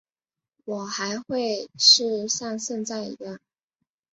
我还会是像现在一样